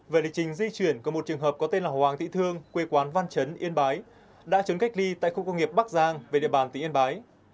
về lịch trình di chuyển của một trường hợp có tên là hoàng thị thương quê quán văn chấn yên bái đã trốn cách ly tại khu công nghiệp bắc giang về địa bàn tỉnh yên bái